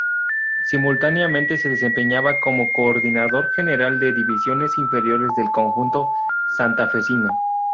Simultáneamente se desempeñaba como Coordinador General de Divisiones Inferiores del conjunto santafesino.